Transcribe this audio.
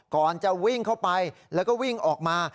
ก่อนจะวิ่งเข้าไปแล้วก็วิ่งออกมา